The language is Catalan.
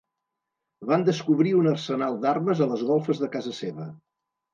Van descobrir un arsenal d'armes a les golfes de casa seva.